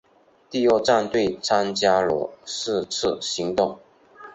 第二战队参加了是次行动。